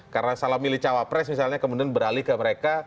karena salah milih cawa pres misalnya kemudian beralih ke mereka